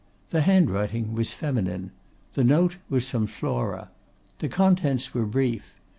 The handwriting was feminine. The note was from Flora. The contents were brief.